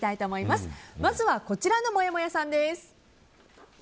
まずはこちらのもやもやさんです。